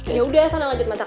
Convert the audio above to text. ya udah sana lanjut masak